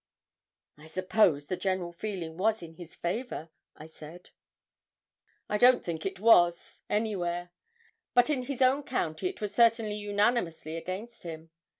'I suppose the general feeling was in his favour?' I said. 'I don't think it was, anywhere; but in his own county it was certainly unanimously against him.